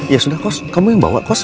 ya sudah kos kamu yang bawa cos